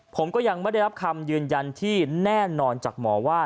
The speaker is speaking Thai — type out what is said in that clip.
ผมก็ยังไม่ได้รับคำยืนยันที่แน่นอนจากหมอว่า